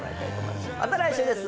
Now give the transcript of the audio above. また来週です。